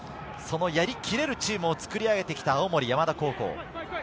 やりきれるチームを作り上げてきた青森山田高校。